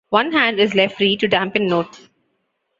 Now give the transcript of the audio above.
One hand is left free to dampen notes.